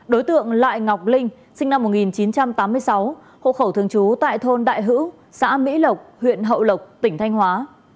đối tượng lại ngọc linh sinh năm một nghìn chín trăm tám mươi sáu hộ khẩu thường trú tại thôn đại hữu xã mỹ lộc huyện hậu lộc tỉnh thanh hóa